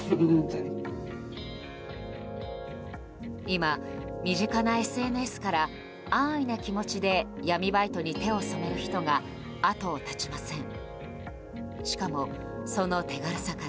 今、身近なＳＮＳから安易な気持ちで闇バイトに手を染める人が後を絶ちません。